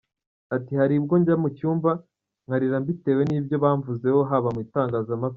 Ati “Hari ubwo njya mu cyumba nkarira mbitewe n’ibyo bamvuzeho haba mu itangazamakuru.